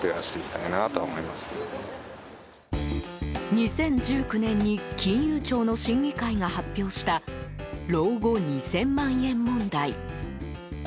２０１９年に金融庁の審議会が発表した老後２０００万円問題。